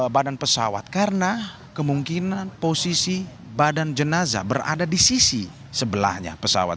badan pesawat karena kemungkinan posisi badan jenazah berada di sisi sebelahnya pesawat